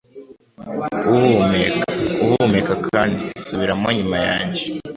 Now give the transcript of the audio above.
Uhumeka, Uhumeka kandi Subiramo Nyuma yanjye